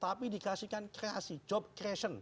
tapi dikasihkan kreasi job creation